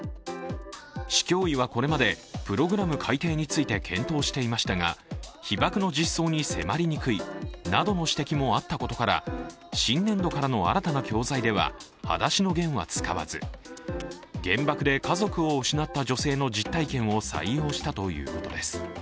市教委はこれまで、プログラム改訂について検討していましたが被爆の実相に迫りにくいなどの指摘もあったことから、新年度からの新たな教材では「はだしのゲン」は使わず原爆で家族を失った女性の実体験を採用したということです。